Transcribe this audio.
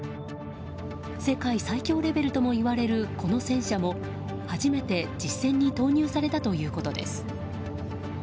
世界最強レベルともいわれるこの戦車も初めて実戦に投入されたということです。